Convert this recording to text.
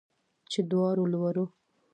چې دواړو لورو